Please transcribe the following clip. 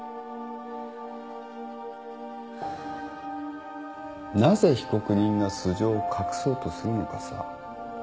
ハァなぜ被告人が素性を隠そうとするのかさ